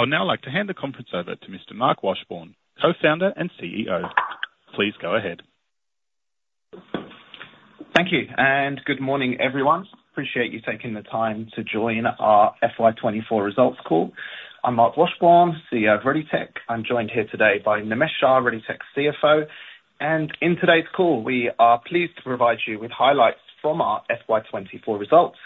I would now like to hand the conference over to Mr. Marc Washbourne, Co-Founder and CEO. Please go ahead. Thank you, and good morning, everyone. Appreciate you taking the time to join our FY 2024 results call. I'm Marc Washbourne, CEO of ReadyTech. I'm joined here today by Nimesh Shah, ReadyTech's CFO, and in today's call, we are pleased to provide you with highlights from our FY 24 results,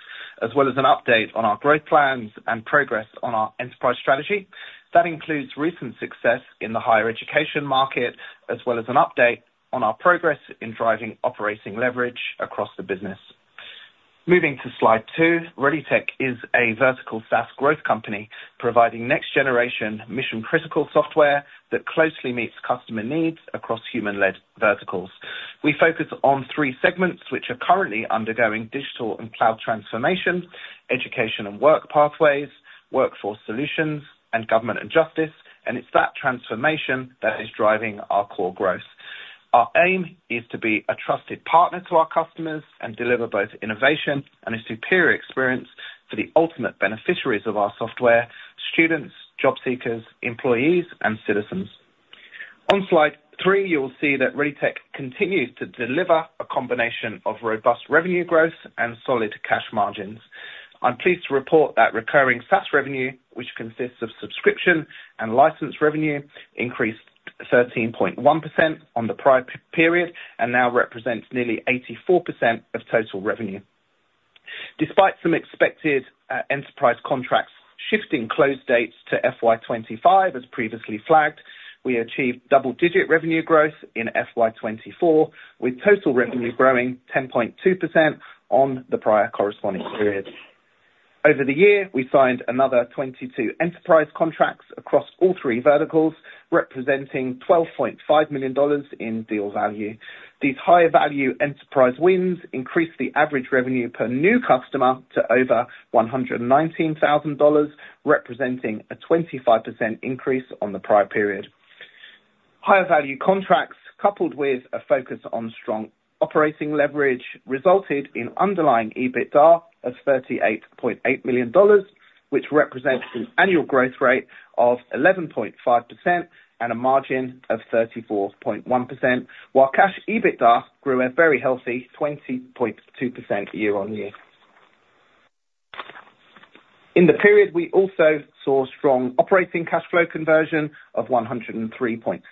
as well as an update on our growth plans and progress on our enterprise strategy. That includes recent success in the higher education market, as well as an update on our progress in driving operating leverage across the business. Moving to slide two, ReadyTech is a vertical SaaS growth company, providing next generation mission-critical software that closely meets customer needs across human-led verticals. We focus on three segments, which are currently undergoing digital and cloud transformation, Education and Work Pathways, Workforce Solutions, and Government and Justice, and it's that transformation that is driving our core growth. Our aim is to be a trusted partner to our customers and deliver both innovation and a superior experience to the ultimate beneficiaries of our software: students, job seekers, employees, and citizens. On slide three, you will see that ReadyTech continues to deliver a combination of robust revenue growth and solid cash margins. I'm pleased to report that recurring SaaS revenue, which consists of subscription and license revenue, increased 13.1% on the prior period and now represents nearly 84% of total revenue. Despite some expected enterprise contracts shifting close dates to FY 2025, as previously flagged, we achieved double-digit revenue growth in FY 2024, with total revenue growing 10.2% on the prior corresponding period. Over the year, we signed another 22 enterprise contracts across all three verticals, representing 12.5 million dollars in deal value. These higher value enterprise wins increased the average revenue per new customer to over 119,000 dollars, representing a 25% increase on the prior period. Higher value contracts, coupled with a focus on strong operating leverage, resulted in underlying EBITDA of AUD 38.8 million, which represents an annual growth rate of 11.5% and a margin of 34.1%, while cash EBITDA grew a very healthy 20.2% year-on-year. In the period, we also saw strong operating cash flow conversion of 103.7%,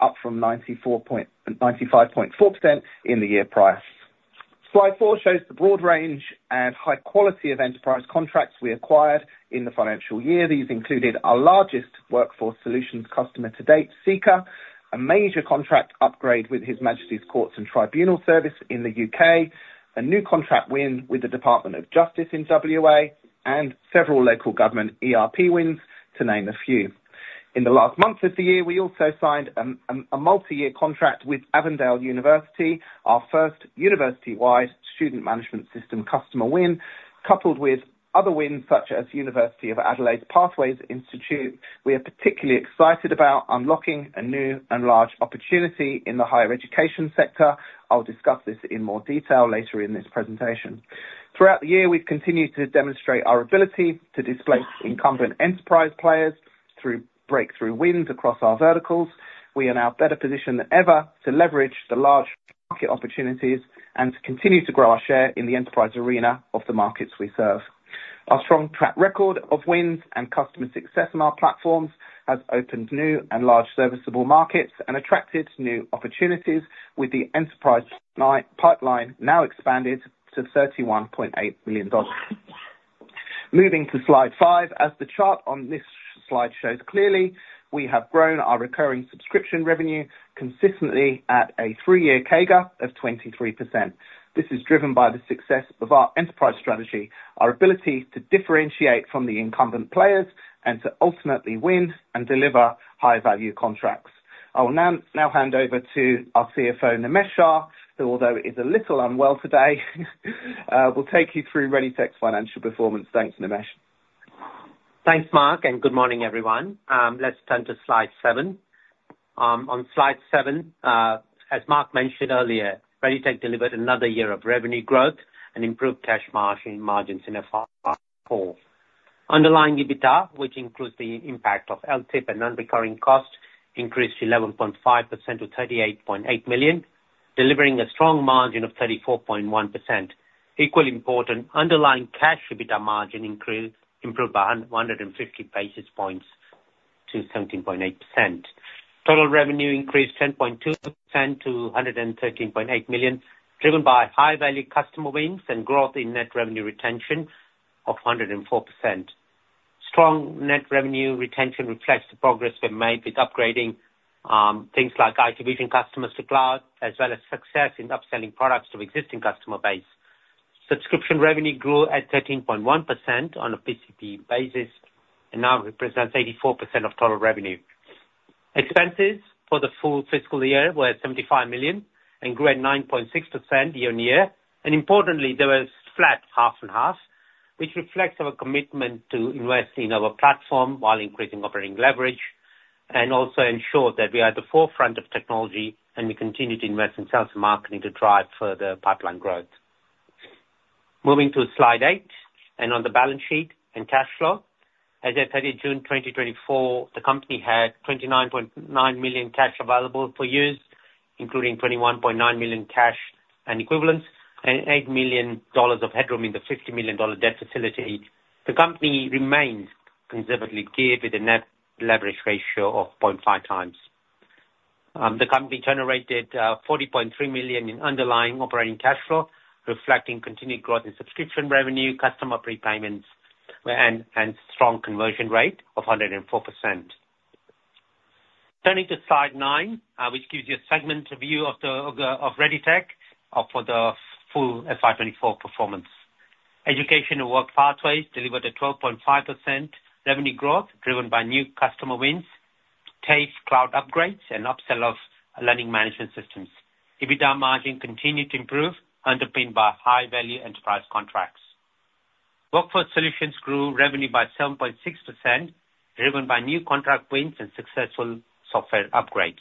up from 95.4% in the year prior. Slide four shows the broad range and high quality of enterprise contracts we acquired in the financial year. These included our largest workforce solutions customer to date, Sika, a major contract upgrade with His Majesty's Courts and Tribunals Service in the U.K., a new contract win with the Department of Justice in WA, and several local government ERP wins, to name a few. In the last month of the year, we also signed a multi-year contract with Avondale University, our first university-wide student management system customer win, coupled with other wins, such as University of Adelaide's Pathways Institute. We are particularly excited about unlocking a new and large opportunity in the higher education sector. I'll discuss this in more detail later in this presentation. Throughout the year, we've continued to demonstrate our ability to displace incumbent enterprise players through breakthrough wins across our verticals. We are now better positioned than ever to leverage the large market opportunities and to continue to grow our share in the enterprise arena of the markets we serve. Our strong track record of wins and customer success on our platforms has opened new and large serviceable markets and attracted new opportunities with the enterprise pipeline now expanded to 31.8 million dollars. Moving to slide five, as the chart on this slide shows clearly, we have grown our recurring subscription revenue consistently at a three-year CAGR of 23%. This is driven by the success of our enterprise strategy, our ability to differentiate from the incumbent players, and to ultimately win and deliver high-value contracts. I will now hand over to our CFO, Nimesh Shah, who although is a little unwell today, will take you through ReadyTech's financial performance. Thanks, Nimesh. Thanks, Marc, and good morning, everyone. Let's turn to slide seven. On slide seven, as Marc mentioned earlier, ReadyTech delivered another year of revenue growth and improved cash margin, margins in the last call. Underlying EBITDA, which includes the impact of LTIP and non-recurring costs, increased 11.5% to 38.8 million, delivering a strong margin of 34.1%. Equally important, underlying cash EBITDA margin improved by 150 basis points to 17.8%. Total revenue increased 10.2% to 113.8 million, driven by high-value customer wins and growth in net revenue retention of 104%. Strong net revenue retention reflects the progress we've made with upgrading things like IT Vision customers to cloud, as well as success in upselling products to existing customer base. Subscription revenue grew at 13.1% on a PCP basis and now represents 84% of total revenue. Expenses for the full fiscal year were 75 million and grew at 9.6% year on year, and importantly, there was flat half-on-half, which reflects our commitment to investing in our platform while increasing operating leverage, and also ensure that we are at the forefront of technology, and we continue to invest in sales and marketing to drive further pipeline growth. Moving to slide 8, and on the balance sheet and cash flow. As at 30 June 2024, the company had 29.9 million cash available for use, including 21.9 million cash and equivalents, and 8 million dollars of headroom in the 50 million dollar debt facility. The company remains considerably geared with a net leverage ratio of 0.5 times. The company generated 40.3 million in underlying operating cash flow, reflecting continued growth in subscription revenue, customer prepayments, and strong conversion rate of 104%. Turning to slide 9, which gives you a segment view of ReadyTech for the full FY 2024 performance. Education and work pathways delivered a 12.5% revenue growth, driven by new customer wins, TAFE cloud upgrades, and upsell of learning management systems. EBITDA margin continued to improve, underpinned by high value enterprise contracts. Workforce Solutions grew revenue by 7.6%, driven by new contract wins and successful software upgrades.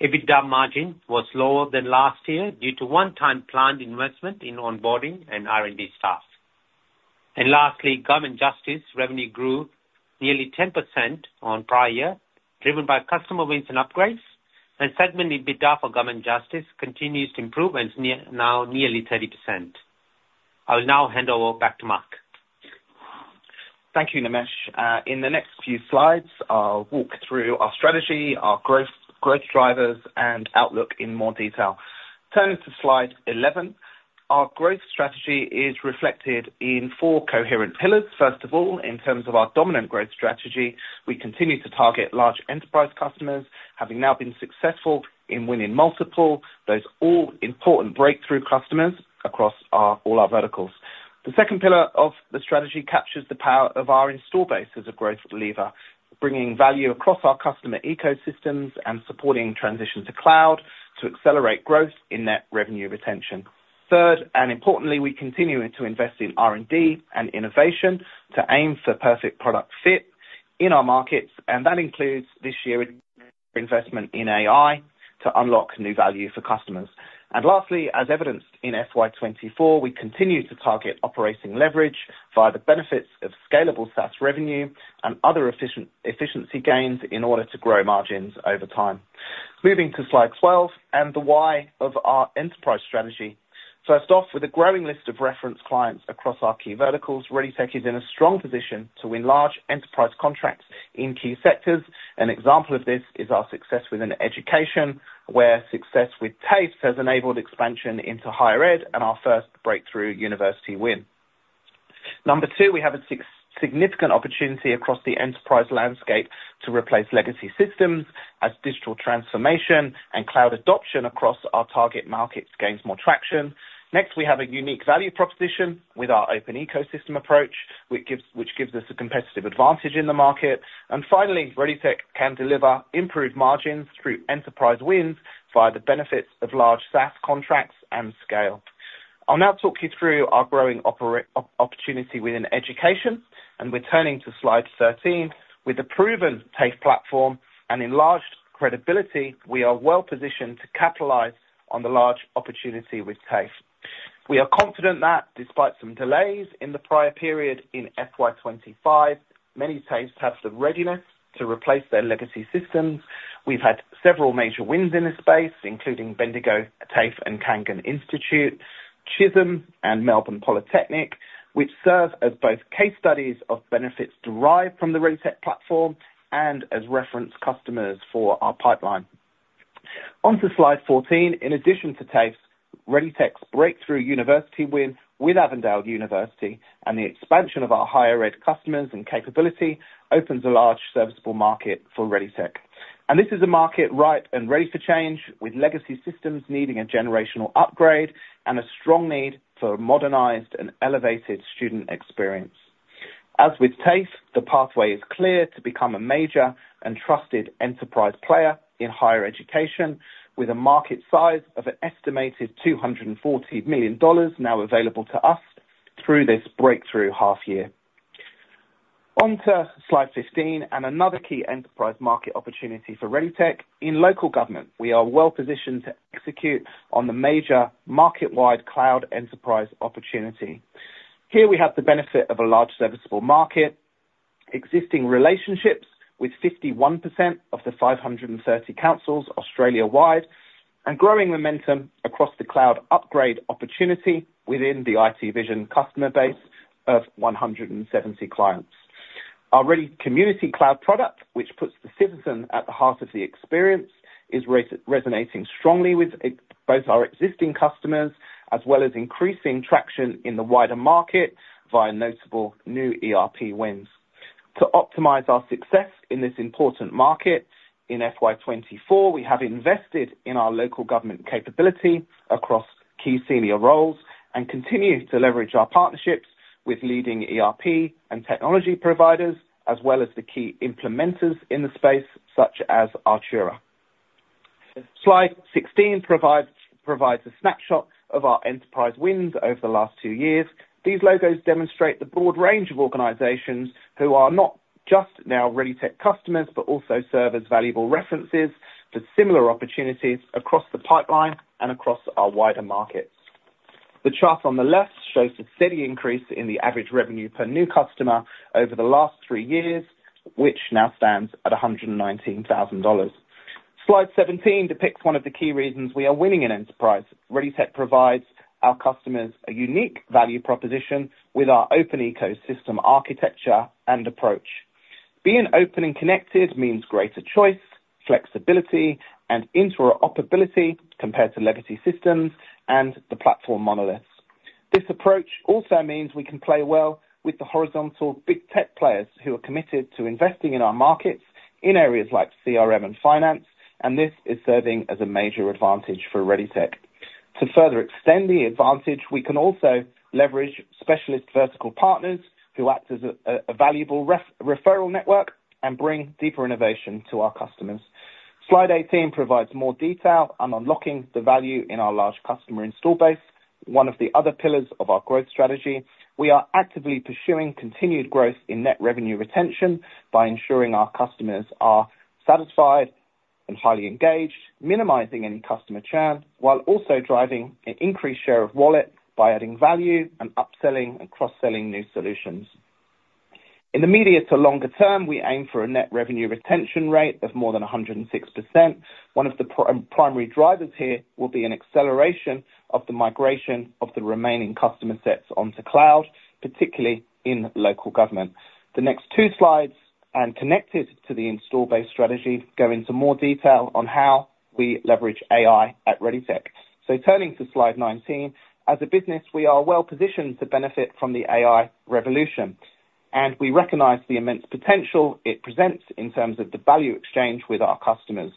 EBITDA margin was lower than last year due to one-time planned investment in onboarding and R&D staff. Lastly, Government Justice revenue grew nearly 10% on prior year, driven by customer wins and upgrades, and segment EBITDA for Government Justice continues to improve and near, now nearly 30%. I will now hand over back to Marc. Thank you, Nimesh. In the next few slides, I'll walk through our strategy, our growth, growth drivers, and outlook in more detail. Turning to slide 11, our growth strategy is reflected in four coherent pillars. First of all, in terms of our dominant growth strategy, we continue to target large enterprise customers, having now been successful in winning multiple, those all-important breakthrough customers across our, all our verticals. The second pillar of the strategy captures the power of our install base as a growth lever, bringing value across our customer ecosystems and supporting transition to cloud to accelerate growth in net revenue retention. Third, and importantly, we continue to invest in R&D and innovation to aim for perfect product fit in our markets, and that includes this year's investment in AI to unlock new value for customers. And lastly, as evidenced in FY twenty-four, we continue to target operating leverage via the benefits of scalable SaaS revenue and other efficiency gains in order to grow margins over time. Moving to slide twelve and the why of our enterprise strategy. First off, with a growing list of reference clients across our key verticals, ReadyTech is in a strong position to win large enterprise contracts in key sectors. An example of this is our success within education, where success with TAFE has enabled expansion into higher ed and our first breakthrough university win. Number two, we have a significant opportunity across the enterprise landscape to replace legacy systems as digital transformation and cloud adoption across our target markets gains more traction. Next, we have a unique value proposition with our open ecosystem approach, which gives us a competitive advantage in the market. Finally, ReadyTech can deliver improved margins through enterprise wins via the benefits of large SaaS contracts and scale. I'll now talk you through our growing opportunity within education, and we're turning to slide 13. With a proven TAFE platform and enlarged credibility, we are well positioned to capitalize on the large opportunity with TAFE. We are confident that despite some delays in the prior period in FY 2025, many TAFEs have the readiness to replace their legacy systems. We've had several major wins in this space, including Bendigo TAFE and Kangan Institute, Chisholm and Melbourne Polytechnic, which serve as both case studies of benefits derived from the ReadyTech platform and as reference customers for our pipeline. On to slide fourteen, in addition to TAFE, ReadyTech's breakthrough university win with Avondale University and the expansion of our higher ed customers and capability opens a large serviceable market for ReadyTech. And this is a market ripe and ready for change, with legacy systems needing a generational upgrade and a strong need for a modernized and elevated student experience. As with TAFE, the pathway is clear to become a major and trusted enterprise player in higher education, with a market size of an estimated 240 million dollars now available to us through this breakthrough half year. On to slide fifteen, and another key enterprise market opportunity for ReadyTech. In local government, we are well positioned to execute on the major market-wide cloud enterprise opportunity. Here we have the benefit of a large serviceable market, existing relationships with 51% of the 530 councils Australia-wide, and growing momentum across the cloud upgrade opportunity within the IT Vision customer base of 170 clients. Our Ready Community Cloud product, which puts the citizen at the heart of the experience, is resonating strongly with both our existing customers, as well as increasing traction in the wider market via notable new ERP wins. To optimize our success in this important market, in FY 2024, we have invested in our local government capability across key senior roles and continue to leverage our partnerships with leading ERP and technology providers, as well as the key implementers in the space, such as Atturra. Slide 16 provides a snapshot of our enterprise wins over the last two years. These logos demonstrate the broad range of organizations who are not just now ReadyTech customers, but also serve as valuable references for similar opportunities across the pipeline and across our wider markets. The chart on the left shows a steady increase in the average revenue per new customer over the last three years, which now stands at 119,000 dollars. Slide 17 depicts one of the key reasons we are winning in enterprise. ReadyTech provides our customers a unique value proposition with our open ecosystem architecture and approach. Being open and connected means greater choice, flexibility, and interoperability compared to legacy systems and the platform monoliths. This approach also means we can play well with the horizontal big tech players who are committed to investing in our markets in areas like CRM and finance, and this is serving as a major advantage for ReadyTech. To further extend the advantage, we can also leverage specialist vertical partners who act as a valuable referral network and bring deeper innovation to our customers. Slide eighteen provides more detail on unlocking the value in our large customer install base, one of the other pillars of our growth strategy. We are actively pursuing continued growth in net revenue retention by ensuring our customers are satisfied and highly engaged, minimizing any customer churn, while also driving an increased share of wallet by adding value and upselling and cross-selling new solutions. In the immediate to longer term, we aim for a net revenue retention rate of more than 106%. One of the primary drivers here will be an acceleration of the migration of the remaining customer sets onto cloud, particularly in local government. The next two slides, and connected to the installed base strategy, go into more detail on how we leverage AI at ReadyTech. So turning to slide 19, as a business, we are well positioned to benefit from the AI revolution, and we recognize the immense potential it presents in terms of the value exchange with our customers.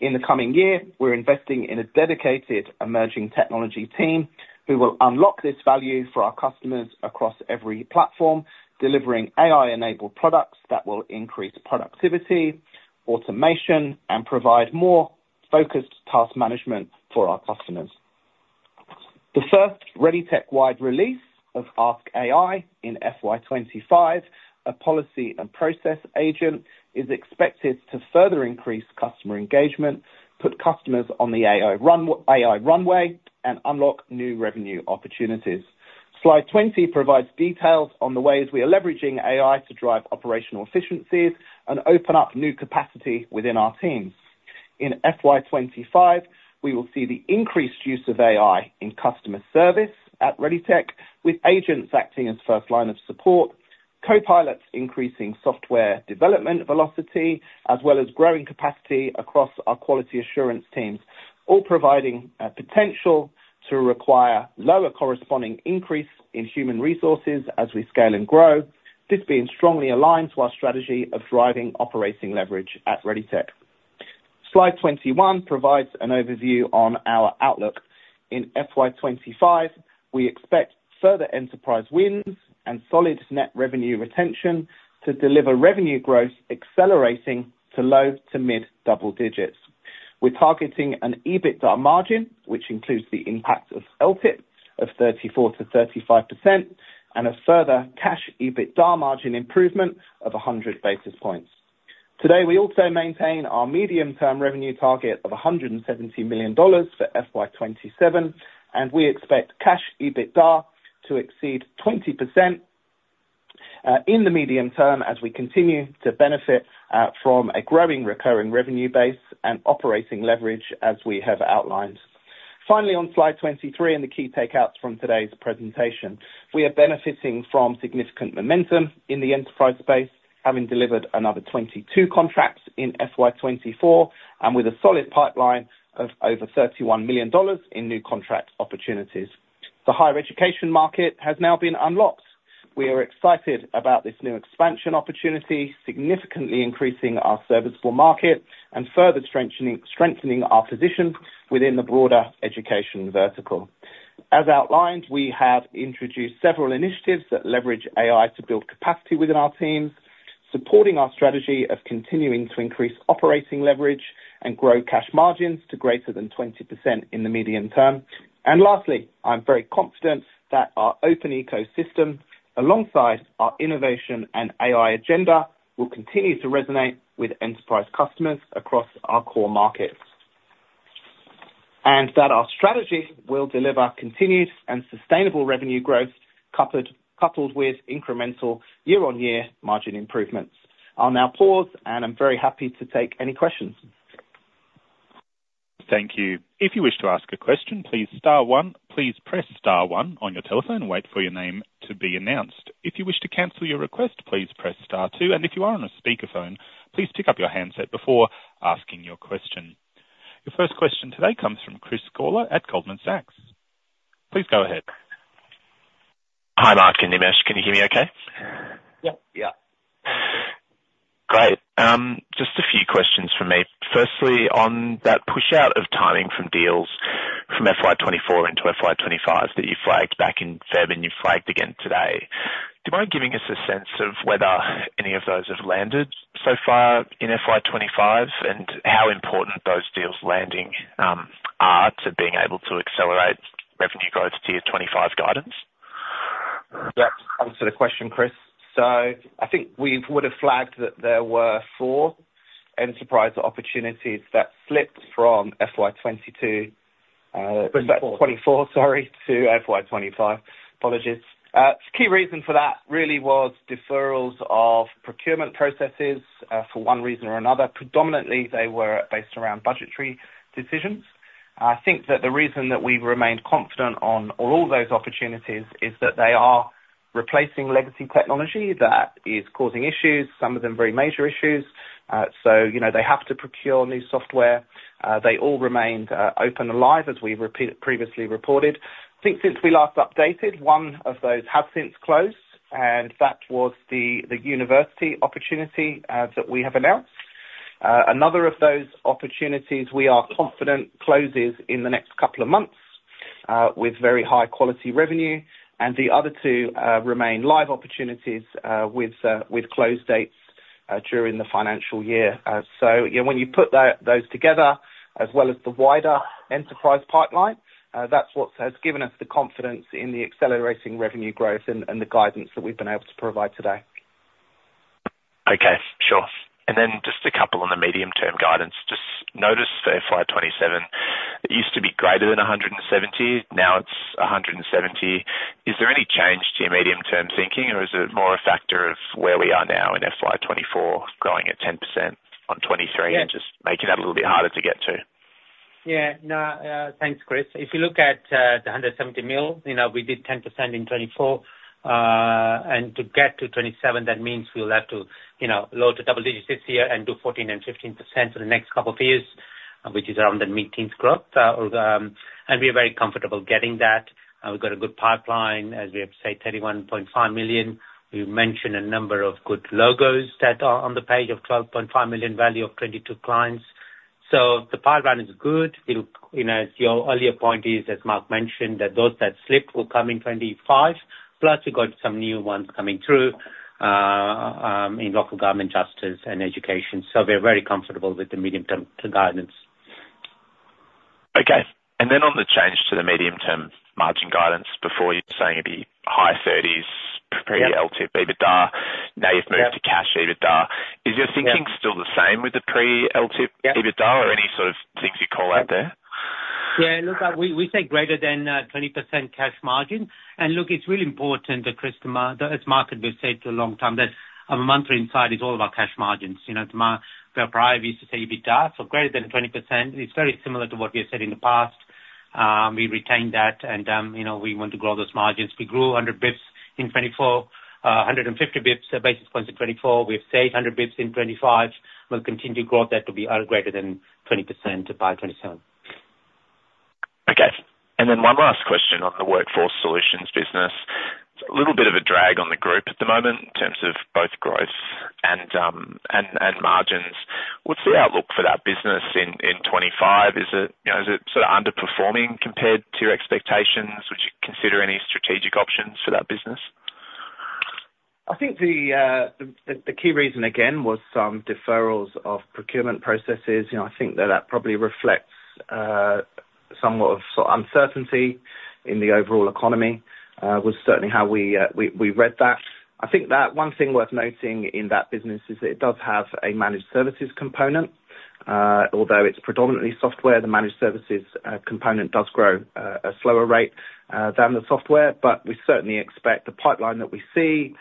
In the coming year, we're investing in a dedicated emerging technology team, who will unlock this value for our customers across every platform, delivering AI-enabled products that will increase productivity, automation, and provide more focused task management for our customers. The first ReadyTech-wide release of Ask AI in FY 25, a policy and process agent, is expected to further increase customer engagement, put customers on the AI runway, and unlock new revenue opportunities. Slide 20 provides details on the ways we are leveraging AI to drive operational efficiencies and open up new capacity within our teams. In FY 2025, we will see the increased use of AI in customer service at ReadyTech, with agents acting as first line of support, copilots increasing software development velocity, as well as growing capacity across our quality assurance teams, all providing a potential to require lower corresponding increase in human resources as we scale and grow, this being strongly aligned to our strategy of driving operating leverage at ReadyTech. Slide 21 provides an overview on our outlook. In FY 2025, we expect further enterprise wins and solid net revenue retention to deliver revenue growth accelerating to low to mid double digits. We're targeting an EBITDA margin, which includes the impact of LTIP, of 34%-35% and a further cash EBITDA margin improvement of 100 basis points. Today, we also maintain our medium-term revenue target of 170 million dollars for FY 2027, and we expect cash EBITDA to exceed 20% in the medium term, as we continue to benefit from a growing recurring revenue base and operating leverage, as we have outlined. Finally, on Slide 23, and the key takeouts from today's presentation. We are benefiting from significant momentum in the enterprise space, having delivered another 22 contracts in FY 2024, and with a solid pipeline of over 31 million dollars in new contract opportunities. The higher education market has now been unlocked. We are excited about this new expansion opportunity, significantly increasing our serviceable market and further strengthening our position within the broader education vertical. As outlined, we have introduced several initiatives that leverage AI to build capacity within our teams, supporting our strategy of continuing to increase operating leverage and grow cash margins to greater than 20% in the medium term. Lastly, I'm very confident that our open ecosystem, alongside our innovation and AI agenda, will continue to resonate with enterprise customers across our core markets, and that our strategy will deliver continued and sustainable revenue growth, coupled with incremental year-on-year margin improvements. I'll now pause, and I'm very happy to take any questions. Thank you. If you wish to ask a question, please star one. Please press star one on your telephone and wait for your name to be announced. If you wish to cancel your request, please press star two, and if you are on a speakerphone, please pick up your handset before asking your question. Your first question today comes from Chris Gawler at Goldman Sachs. Please go ahead. Hi, Marc and Nimesh. Can you hear me okay? Yep. Yeah. Great. Just a few questions from me. Firstly, on that pushout of timing from deals from FY 24 into FY 25 that you flagged back in February and you flagged again today, do you mind giving us a sense of whether any of those have landed so far in FY 25, and how important are those deals landing hard to being able to accelerate revenue growth to your 25 guidance? Yeah, to answer the question, Chris, so I think we would have flagged that there were four enterprise opportunities that slipped from FY 2022. Twenty-four. 24, sorry, to FY 25. Apologies. The key reason for that really was deferrals of procurement processes, for one reason or another. Predominantly, they were based around budgetary decisions. I think that the reason that we've remained confident on all those opportunities is that they are replacing legacy technology that is causing issues, some of them very major issues. So, you know, they have to procure new software. They all remained open and live, as we previously reported. I think since we last updated, one of those has since closed, and that was the university opportunity that we have announced. Another of those opportunities we are confident closes in the next couple of months, with very high quality revenue, and the other two remain live opportunities, with close dates during the financial year. So, you know, when you put those together, as well as the wider enterprise pipeline, that's what has given us the confidence in the accelerating revenue growth and the guidance that we've been able to provide today. Okay, sure. And then just a couple on the medium-term guidance. Just noticed for FY 2027, it used to be greater than 170, now it's 170. Is there any change to your medium-term thinking, or is it more a factor of where we are now in FY 2024, growing at 10% on 2023? Yeah... and just making that a little bit harder to get to? Yeah. No, thanks, Chris. If you look at the 170 million, you know, we did 10% in 2024. To get to 270, that means we'll have to grow to double digits this year and do 14% and 15% for the next couple of years, which is around the mid-teens growth. We are very comfortable getting that. We've got a good pipeline, as we have said, 31.5 million. We've mentioned a number of good logos that are on the page of 12.5 million value of 22 clients. So the pipeline is good. It'll. You know, as your earlier point is, as Marc mentioned, that those that slipped will come in 2025 plus we've got some new ones coming through in local government, justice, and education. So we're very comfortable with the medium-term guidance. Okay, and then on the change to the medium-term margin guidance, before you were saying it'd be high thirties pre-LTIP EBITDA. Now you've moved to cash EBITDA. Is your thinking still the same with the pre-LTIP EBITDA? Or any sort of things you'd call out there? Yeah, look, like, we said greater than 20% cash margin. And look, it's really important that cash margins, as we've said for a long time, that our monthly insight is all about cash margins. You know, we previously used to say EBITDA, so greater than 20%. It's very similar to what we have said in the past. We retained that, and, you know, we want to grow those margins. We grew 150 basis points in 2024. We've said 100 basis points in 2025. We'll continue to grow that to be greater than 20% by 2027. Okay. And then one last question on the Workforce Solutions business. It's a little bit of a drag on the group at the moment in terms of both growth and margins. What's the outlook for that business in 2025? Is it, you know, is it sort of underperforming compared to your expectations? Would you consider any strategic options for that business? I think the key reason again was some deferrals of procurement processes. You know, I think that probably reflects somewhat of sort of uncertainty in the overall economy, was certainly how we read that. I think that one thing worth noting in that business is it does have a managed services component, although it's predominantly software, the managed services component does grow a slower rate than the software. But we certainly expect the pipeline that we see,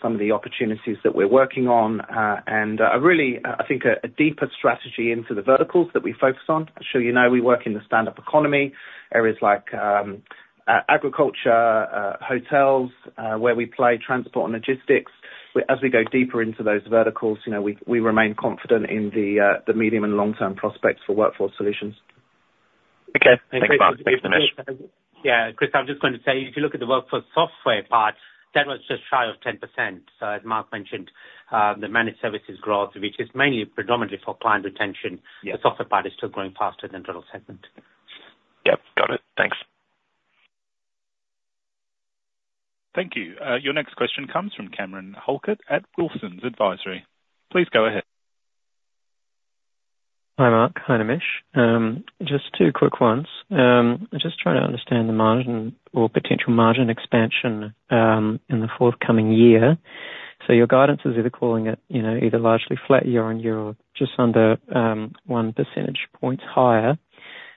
some of the opportunities that we're working on, and really, I think a deeper strategy into the verticals that we focus on. I'm sure you know, we work in the Stand Up Economy, areas like agriculture, hotels, where we play transport and logistics. As we go deeper into those verticals, you know, we remain confident in the medium and long-term prospects for Workforce Solutions. Okay. Thanks, Marc. Thanks, Nimesh. Yeah, Chris, I'm just going to say, if you look at the workforce software part, that was just shy of 10%. So as Marc mentioned, the managed services growth, which is mainly predominantly for client retention- Yeah... the software part is still growing faster than total segment. Yep, got it. Thanks. Thank you. Your next question comes from Cameron Halkett at Wilsons Advisory. Please go ahead. Hi, Marc. Hi, Nimesh. Just two quick ones. I'm just trying to understand the margin or potential margin expansion in the forthcoming year. So your guidance is either calling it, you know, either largely flat year-on-year or just under one percentage points higher.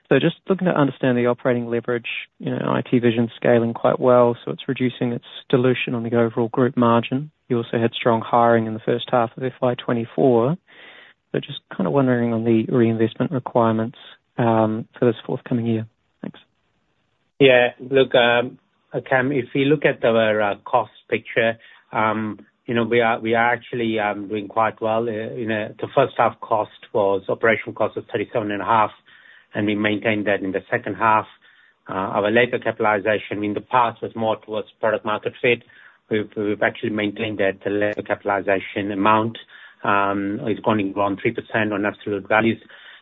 So just looking to understand the operating leverage, you know, IT Vision scaling quite well, so it's reducing its dilution on the overall group margin. You also had strong hiring in the first half of FY 2024. But just kind of wondering on the reinvestment requirements for this forthcoming year. Thanks. Yeah. Look, Cam, if you look at our cost picture, you know, we are actually doing quite well. You know, the first half cost was operational cost of 37.5, and we maintained that in the second half. Our labor capitalization in the past was more towards product market fit. We've actually maintained that labor capitalization amount. It's gone 3% on absolute values.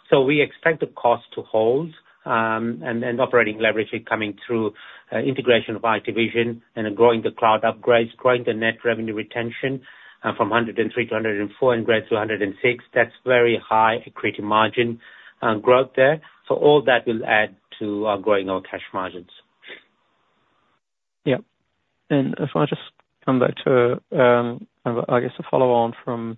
So we expect the cost to hold, and operating leverage is coming through, integration of IT Vision and growing the cloud upgrades, growing the net revenue retention from 103% to 104%, and grew to 106%. That's very high accretive margin growth there. So all that will add to growing our cash margins.... Yep. And if I just come back to, I guess, a follow on from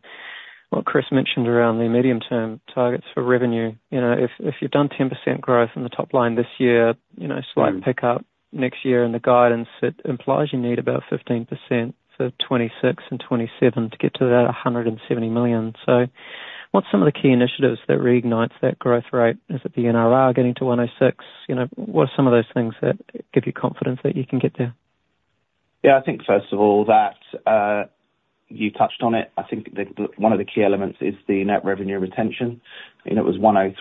what Chris mentioned around the medium-term targets for revenue. You know, if you've done 10% growth in the top line this year, you know, slight pickup next year in the guidance, it implies you need about 15% for 2026 and 2027 to get to about 170 million. So what's some of the key initiatives that reignites that growth rate? Is it the NRR getting to 106? You know, what are some of those things that give you confidence that you can get there? Yeah, I think first of all, that, you touched on it. I think the one of the key elements is the net revenue retention. You know, it was 103%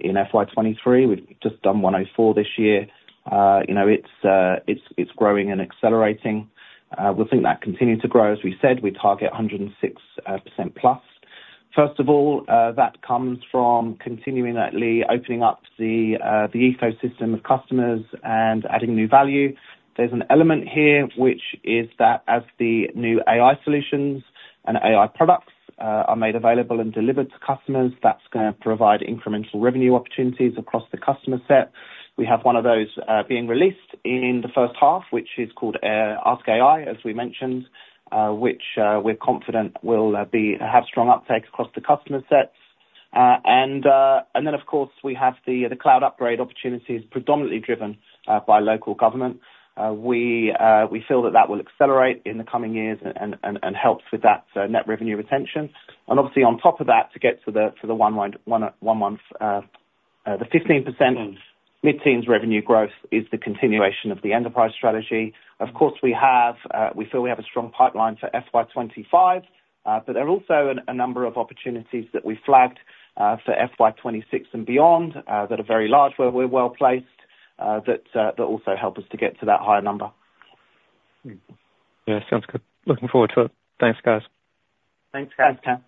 in FY 2023. We've just done 104% this year. You know, it's growing and accelerating. We think that continued to grow. As we said, we target 106% plus. First of all, that comes from continually opening up the ecosystem of customers and adding new value. There's an element here which is that as the new AI solutions and AI products are made available and delivered to customers, that's gonna provide incremental revenue opportunities across the customer set. We have one of those, being released in the first half, which is called, Ask AI, as we mentioned, which, we're confident will, be- have strong uptake across the customer sets. And then, of course, we have the, the cloud upgrade opportunities predominantly driven, by local government. We feel that that will accelerate in the coming years and, and, helps with that, net revenue retention. And obviously, on top of that, to get to the, to the one line-- one, one month, the 15% mid-teens revenue growth is the continuation of the enterprise strategy. Of course, we feel we have a strong pipeline for FY 25, but there are also a number of opportunities that we flagged for FY 26 and beyond that are very large, where we're well placed, that also help us to get to that higher number. Yeah, sounds good. Looking forward to it. Thanks, guys. Thanks, Cam.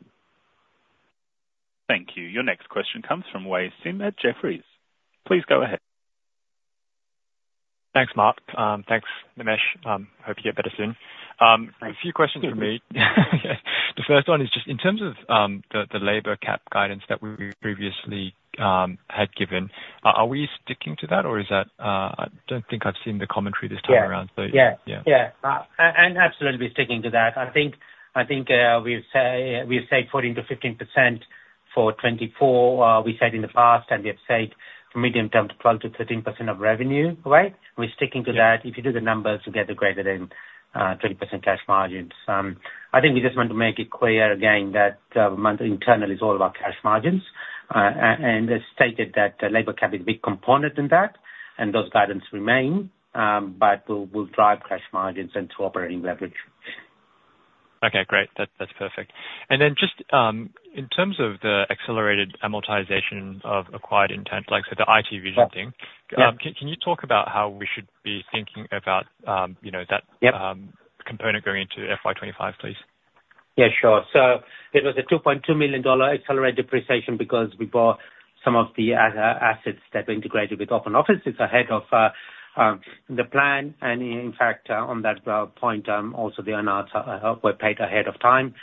Thank you. Your next question comes from Wei Sim at Jefferies. Please go ahead. Thanks, Marc. Thanks, Nimesh. Hope you get better soon. Thanks. A few questions from me. The first one is just in terms of the labor cap guidance that we previously had given. Are we sticking to that or is that? I don't think I've seen the commentary this time around. Yeah. So, yeah. Yeah, yeah. And absolutely sticking to that. I think we've said 14%-15% for 2024, we said in the past, and we have said for medium term, 12%-13% of revenue, right? We're sticking to that. If you do the numbers, you get the greater than 20% cash margins. I think we just want to make it clear again that internally, it's all about cash margins. And as stated, that labor cap is a big component in that, and those guidance remain, but we'll drive cash margins into operating leverage. Okay, great. That, that's perfect. And then just, in terms of the accelerated amortization of acquired intangibles, like, so the IT Vision thing, Can you talk about how we should be thinking about, you know, that component going into FY 2025, please? Yeah, sure. So it was 2.2 million dollar accelerated depreciation because we bought some of the assets that were integrated with Open Office. It's ahead of the plan, and in fact, also the intangibles were paid ahead of time.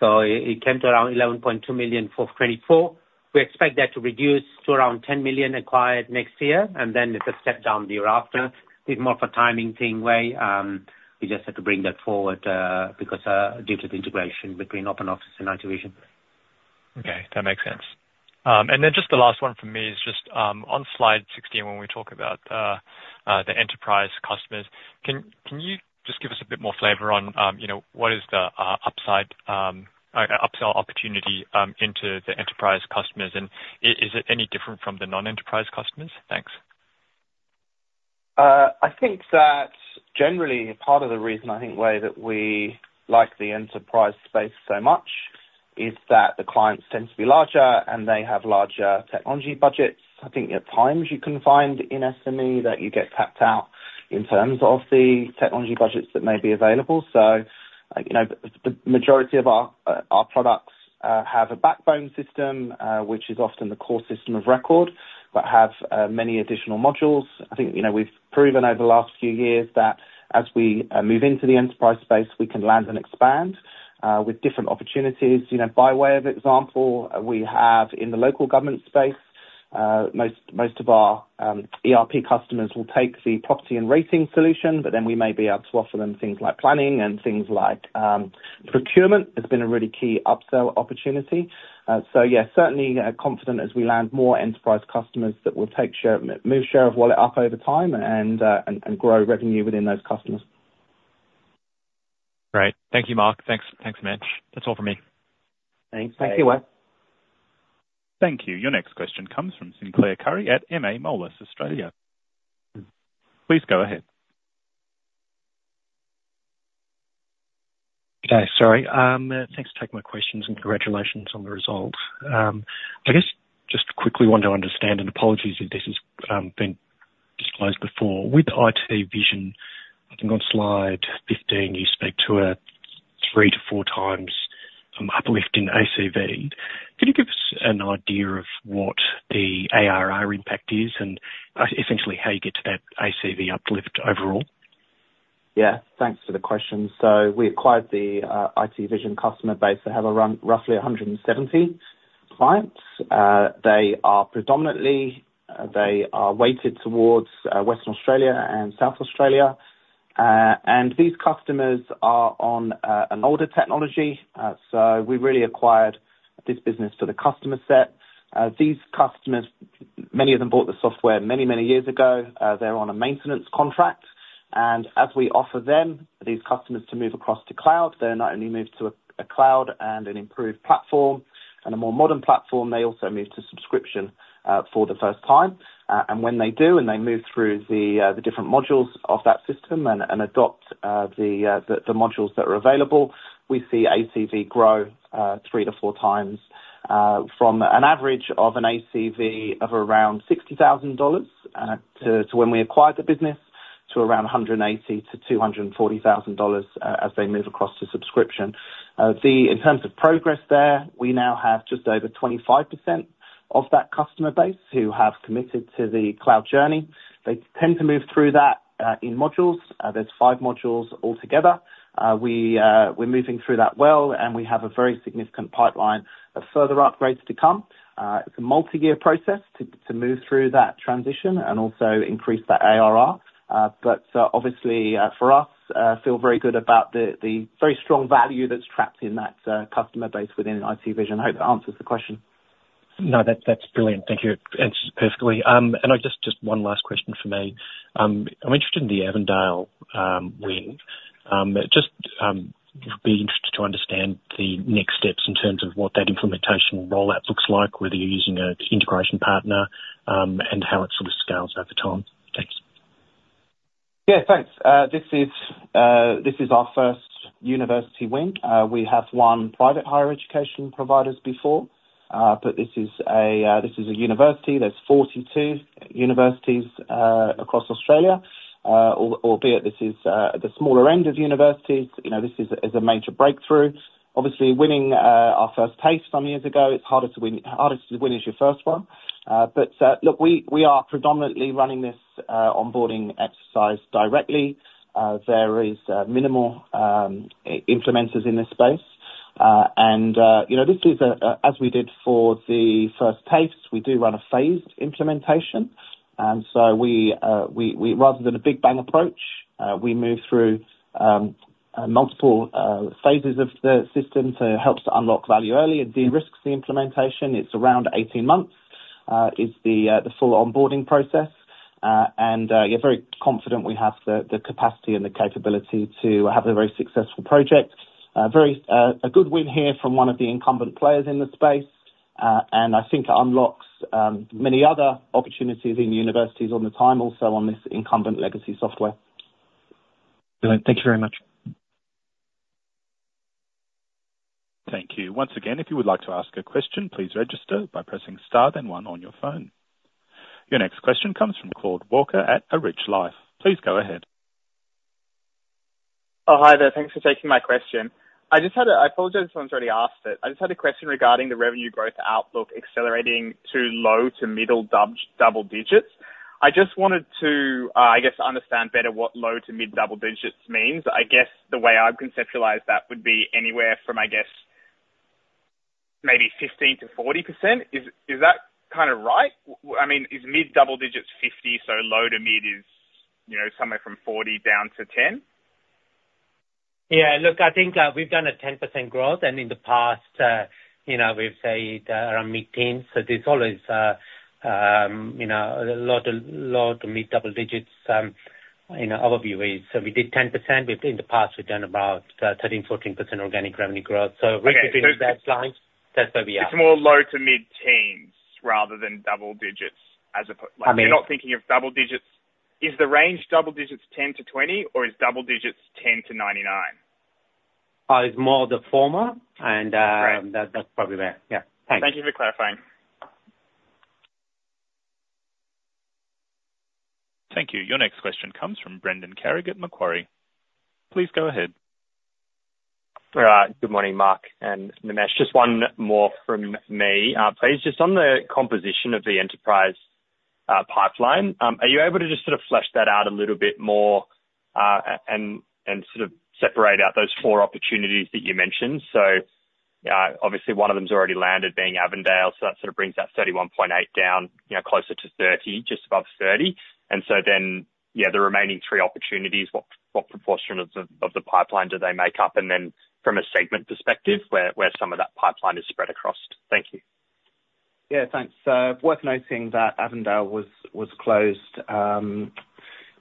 So it came to around 11.2 million for 2024. We expect that to reduce to around 10 million amortised next year, and then it will step down the year after. It's more of a timing thing, Wei. We just had to bring that forward because due to the integration between Open Office and IT Vision. Okay, that makes sense. And then just the last one from me is just on slide 16, when we talk about the enterprise customers, can you just give us a bit more flavor on, you know, what is the upside upsell opportunity into the enterprise customers? And is it any different from the non-enterprise customers? Thanks. I think that generally, part of the reason, I think, Wei, that we like the enterprise space so much, is that the clients tend to be larger and they have larger technology budgets. I think at times you can find in SME that you get tapped out in terms of the technology budgets that may be available. So, you know, the majority of our products have a backbone system, which is often the core system of record, but have many additional modules. I think, you know, we've proven over the last few years that as we move into the enterprise space, we can land and expand with different opportunities. You know, by way of example, we have in the local government space, most of our ERP customers will take the Property and Rating solution, but then we may be able to offer them things like planning and things like procurement. It's been a really key upsell opportunity. So yeah, certainly confident as we land more enterprise customers that we'll take share, move share of wallet up over time and grow revenue within those customers. Great. Thank you, Marc. Thanks. Thanks, Nimesh. That's all for me. Thanks. Thank you, Wei. Thank you. Your next question comes from Sinclair Currie at MA Moelis Australia. Please go ahead. Okay, sorry. Thanks for taking my questions, and congratulations on the results. I guess just quickly want to understand, and apologies if this has been disclosed before. With IT Vision, I think on slide fifteen, you speak to a three to four times uplift in ACV. Can you give us an idea of what the ARR impact is, and essentially how you get to that ACV uplift overall? Yeah, thanks for the question. So we acquired the IT Vision customer base that have around roughly a hundred and seventy clients. They are predominantly weighted towards Western Australia and South Australia. And these customers are on an older technology, so we really acquired this business for the customer set. These customers, many of them bought the software many, many years ago. They're on a maintenance contract, and as we offer them these customers to move across to cloud, they're not only moved to a cloud and an improved platform, and a more modern platform, they also move to subscription for the first time. and when they do, and they move through the different modules of that system and adopt the modules that are available, we see ACV grow three to four times, from an average of an ACV of around 60,000 dollars to when we acquired the business, to around 180,000-240,000 dollars as they move across to subscription. In terms of progress there, we now have just over 25% of that customer base who have committed to the cloud journey. They tend to move through that in modules. There's five modules altogether. We're moving through that well, and we have a very significant pipeline of further upgrades to come. It's a multi-year process to move through that transition and also increase that ARR. But obviously, for us, feel very good about the very strong value that's trapped in that customer base within IT Vision. I hope that answers the question. No, that, that's brilliant. Thank you. Answers perfectly. And I just one last question from me. I'm interested in the Avondale win. Just be interested to understand the next steps in terms of what that implementation rollout looks like, whether you're using a integration partner, and how it sort of scales over time. Thanks. Yeah, thanks. This is our first university win. We have won private higher education providers before, but this is a university. There's 42 universities across Australia, albeit this is the smaller end of universities, you know. This is a major breakthrough. Obviously, winning our first TAFE some years ago, it's harder to win, harder to win as your first one. But look, we are predominantly running this onboarding exercise directly. There is minimal implementers in this space. And, you know, this is a, as we did for the first phase, we do run a phased implementation, and so we rather than a big bang approach, we move through multiple phases of the system, so it helps to unlock value early and de-risks the implementation. It's around 18 months is the full onboarding process. And, yeah, very confident we have the capacity and the capability to have a very successful project. Very a good win here from one of the incumbent players in the space, and I think it unlocks many other opportunities in universities at the time, also on this incumbent legacy software. Thank you very much. Thank you. Once again, if you would like to ask a question, please register by pressing star, then one on your phone. Your next question comes from Claude Walker at A Rich Life. Please go ahead. Oh, hi there. Thanks for taking my question. I apologize if someone's already asked it. I just had a question regarding the revenue growth outlook accelerating to low to mid double digits. I just wanted to, I guess, understand better what low to mid double digits means. I guess the way I've conceptualized that would be anywhere from, I guess, maybe 15%-40%. Is that kind of right? I mean, is mid double digits 50%, so low to mid is, you know, somewhere from 40% down to 10%? Yeah, look, I think, we've done a 10% growth, and in the past, you know, we've said, around mid-teens. So there's always, you know, a lot, low to mid double digits, you know, overview is. So we did 10%, but in the past we've done about, 13, 14% organic revenue growth. Okay. So between those baselines, that's where we are. It's more low to mid-teens rather than double digits, as opp..You're not thinking of double digits... Is the range double digits ten to twenty, or is double digits ten to ninety-nine? It's more the former, and Great. That's probably better. Yeah. Thank you for clarifying. Thank you. Your next question comes from Brendan Carrig at Macquarie. Please go ahead. Good morning, Marc and Nimesh. Just one more from me, please. Just on the composition of the enterprise pipeline, are you able to just sort of flesh that out a little bit more, and sort of separate out those four opportunities that you mentioned? So, obviously one of them has already landed, being Avondale, so that sort of brings that 31.8 down, you know, closer to 30, just above 30. And so then, yeah, the remaining three opportunities, what proportion of the pipeline do they make up? And then from a segment perspective, where some of that pipeline is spread across. Thank you. Yeah, thanks. Worth noting that Avondale was closed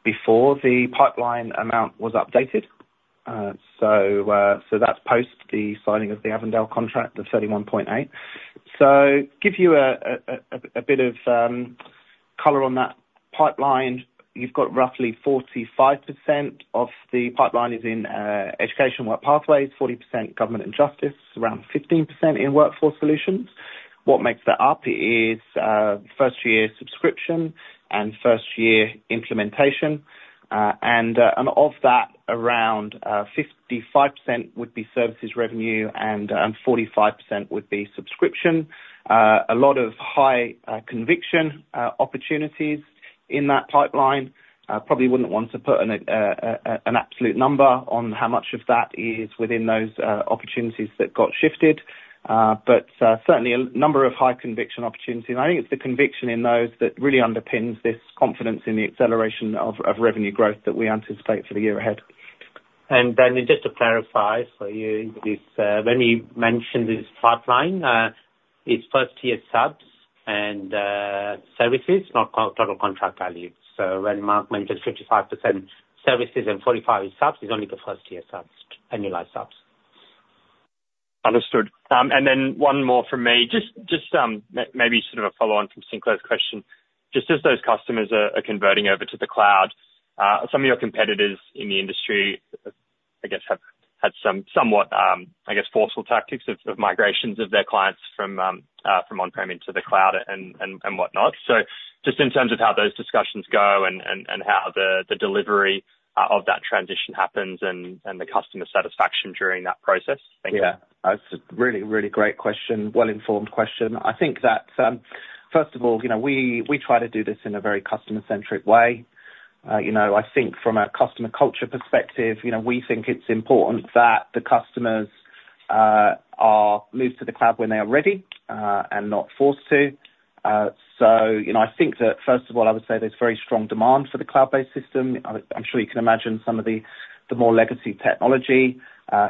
before the pipeline amount was updated. So that's post the signing of the Avondale contract, the 31.8. So give you a bit of color on that pipeline, you've got roughly 45% of the pipeline is in education work pathways, 40% government and justice, around 15% in workforce solutions. What makes that up is first-year subscription and first-year implementation. And of that, around 55% would be services revenue and 45% would be subscription. A lot of high conviction opportunities in that pipeline. Probably wouldn't want to put an absolute number on how much of that is within those opportunities that got shifted. But certainly a number of high conviction opportunities, and I think it's the conviction in those that really underpins this confidence in the acceleration of revenue growth that we anticipate for the year ahead. Then just to clarify for you, this, when you mention this pipeline, it's first year subs and services, not total contract value. So when Marc mentioned 55% services and 45% is subs, it's only the first year subs, annualized subs. Understood. And then one more from me. Just maybe sort of a follow on from Sinclair's question. Just as those customers are converting over to the cloud, some of your competitors in the industry, I guess, have had some somewhat forceful tactics of migrations of their clients from on-prem into the cloud and whatnot. So just in terms of how those discussions go and how the delivery of that transition happens and the customer satisfaction during that process? Yeah. That's a really, really great question. Well-informed question. I think that, first of all, you know, we try to do this in a very customer-centric way. You know, I think from a customer culture perspective, you know, we think it's important that the customers are moved to the cloud when they are ready, and not forced to. So you know, I think that first of all, I would say there's very strong demand for the cloud-based system. I'm sure you can imagine some of the more legacy technology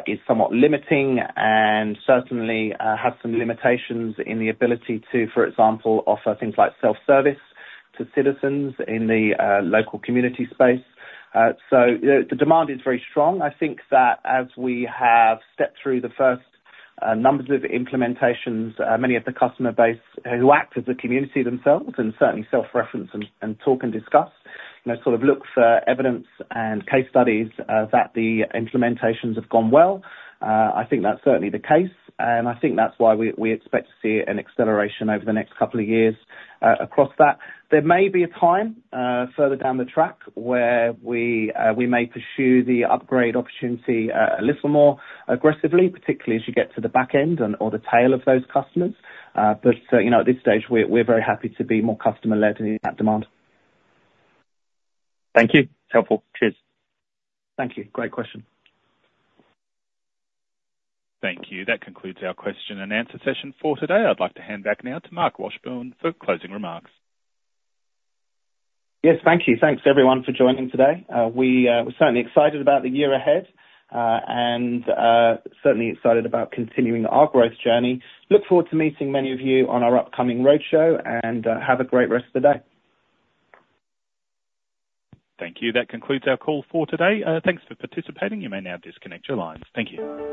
is somewhat limiting and certainly has some limitations in the ability to, for example, offer things like self-service to citizens in the local community space. So the demand is very strong. I think that as we have stepped through the first numbers of implementations, many of the customer base, who act as a community themselves, and certainly self-reference and talk and discuss, you know, sort of look for evidence and case studies that the implementations have gone well. I think that's certainly the case, and I think that's why we expect to see an acceleration over the next couple of years across that. There may be a time further down the track, where we may pursue the upgrade opportunity a little more aggressively, particularly as you get to the back end and or the tail of those customers, but you know, at this stage, we're very happy to be more customer-led in that demand. Thank you. Helpful. Cheers. Thank you. Great question. Thank you. That concludes our question and answer session for today. I'd like to hand back now to Marc Washbourne for closing remarks. Yes. Thank you. Thanks, everyone, for joining today. We're certainly excited about the year ahead, and certainly excited about continuing our growth journey. Look forward to meeting many of you on our upcoming roadshow, and have a great rest of the day. Thank you. That concludes our call for today. Thanks for participating. You may now disconnect your lines. Thank you.